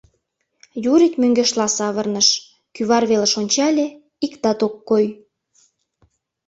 Юрик мӧҥгешла савырныш, кӱвар велыш ончале — иктат ок кой.